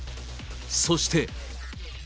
そして。